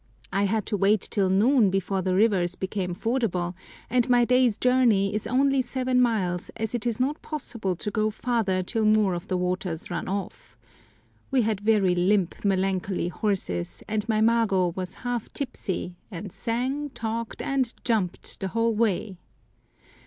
I had to wait till noon before the rivers became fordable, and my day's journey is only seven miles, as it is not possible to go farther till more of the water runs off. We had very limp, melancholy horses, and my mago was half tipsy, and sang, talked, and jumped the whole way.